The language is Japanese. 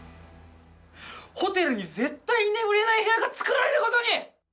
ホテルに絶対に眠れない部屋が作られることに！